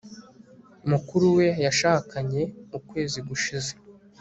mukuru we yashakanye ukwezi gushize